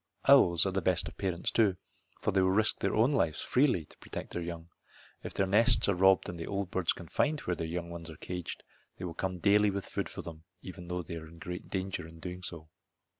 Owls are the best of parents, too, for they will risk their own lives freely to protect their young. If their nests are robbed and the old birds can find where their young ones are caged they will come daily with food for them though they are in great danger in doing so.